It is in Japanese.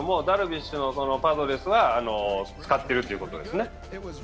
ダルビッシュのパドレスは使っているということですね。